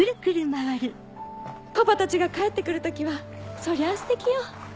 パパたちが帰って来る時はそりゃあステキよ。